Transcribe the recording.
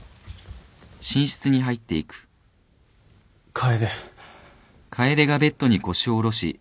楓。